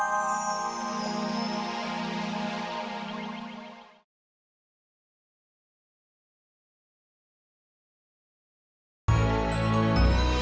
dan selamat tinggal